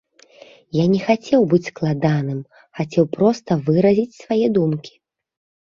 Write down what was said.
Я не хацеў быць складаным, хацеў проста выразіць свае думкі.